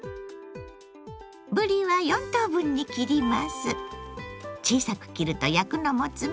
ぶりは４等分に切ります。